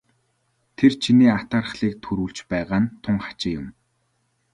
Тэр чиний атаархлыг төрүүлж байгаа нь тун хачин юм.